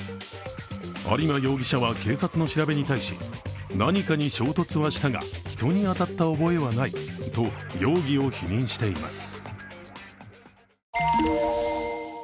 有馬容疑者は警察の調べに対し何かに衝突はしたが人に当たった覚えはないと容疑を否認しています。